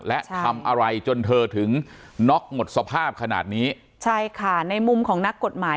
และทำอะไรจนเธอถึงน็อกหมดสภาพขนาดนี้ใช่ค่ะในมุมของนักกฎหมาย